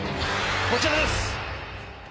こちらです！